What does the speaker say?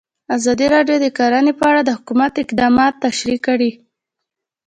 ازادي راډیو د کرهنه په اړه د حکومت اقدامات تشریح کړي.